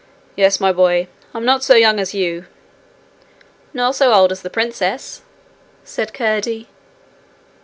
'Yes, my boy. I'm not so young as you.' 'Nor so old as the princess,' said Curdie.